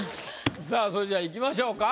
さあそれじゃあいきましょうか。